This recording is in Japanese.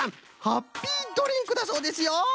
ハッピードリンクだそうですよ！